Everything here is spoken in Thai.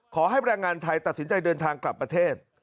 แรงงานไทยตัดสินใจเดินทางกลับประเทศ